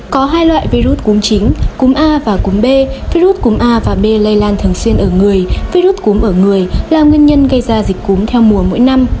có hai loại virus cúm chính cúm a và cúm b virus cúm a và b lây lan thường xuyên ở người virus cúm ở người là nguyên nhân gây ra dịch cúm theo mùa mỗi năm